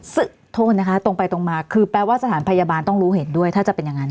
โทษนะคะตรงไปตรงมาคือแปลว่าสถานพยาบาลต้องรู้เห็นด้วยถ้าจะเป็นอย่างนั้น